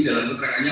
dalam kontrakan nya